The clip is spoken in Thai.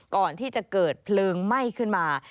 ก่อนที่จะเกิดเพลิงไหม้ขึ้นมา